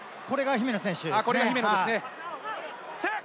これが姫野選手ですね。